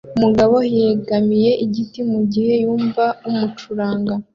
Umugabo yegamiye igiti mugihe yumva umucuranga